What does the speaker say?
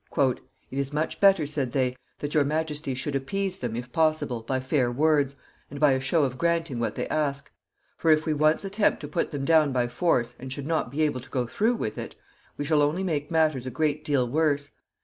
"It is much better," said they, "that your majesty should appease them, if possible, by fair words, and by a show of granting what they ask; for if we once attempt to put them down by force, and should not be able to go through with it, we shall only make matters a great deal worse.